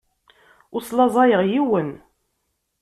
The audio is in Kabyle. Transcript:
Ur slaẓayeɣ yiwen.